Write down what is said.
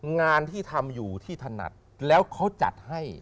งานที่ทำอยู่ที่ถนัดแล้วเขาจัดให้